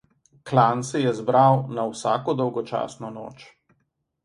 Klan se je zbral na vsako dolgočasno noč.